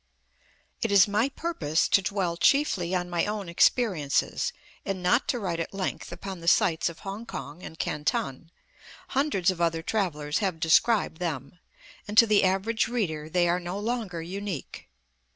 It is my purpose to dwell chiefly on my own experiences, and not to write at length upon the sights of Kong kong and Canton; hundreds of other travellers have described them, and to the average reader they are no longer unique.